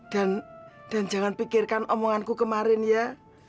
dan dan jangan pikirkan omonganku kemarin ya